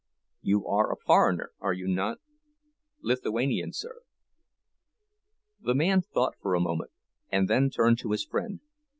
"You are a foreigner, are you not?" "Lithuanian, sir." The man thought for a moment, and then turned to his friend.